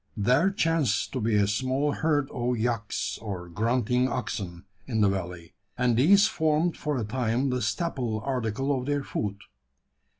There chanced to be a small herd of "yaks," or grunting oxen, in the valley; and these formed for a time the staple article of their food.